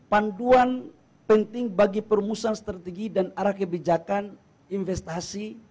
panduan penting bagi perumusan strategi dan arah kebijakan investasi